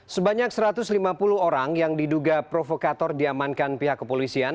sebanyak satu ratus lima puluh orang yang diduga provokator diamankan pihak kepolisian